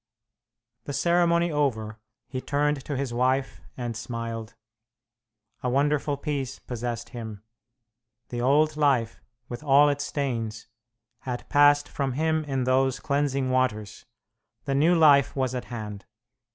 The ceremony over, he turned to his wife and smiled. A wonderful peace possessed him. The old life, with all its stains, had passed from him in those cleansing waters; the new life was at hand.